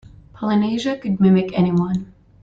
Polynesia could mimic any one.